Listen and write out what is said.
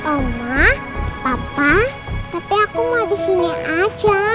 oma papa tapi aku mau disini aja